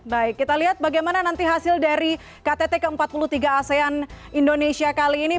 baik kita lihat bagaimana nanti hasil dari ktt ke empat puluh tiga asean indonesia kali ini